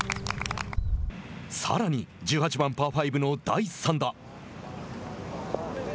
さらに、１８番パー５の第３打。